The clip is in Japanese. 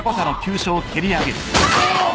あっ！